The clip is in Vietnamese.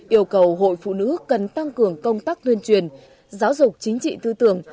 yêu cầu hội phụ nữ cần tăng cường công tác tuyên truyền giáo dục chính trị tư tưởng